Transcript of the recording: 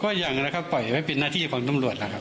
ก็อย่างนะครับปล่อยไว้เป็นหน้าที่ของตำรวจนะครับ